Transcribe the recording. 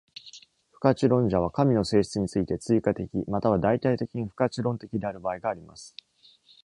不可知論者は、神の性質について、追加的または代替的に不可知論的である場合があります。